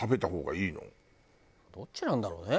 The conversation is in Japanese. どっちなんだろうね。